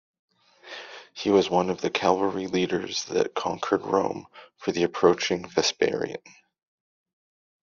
He was one of the cavalry leaders that conquered Rome for the approaching Vespasian.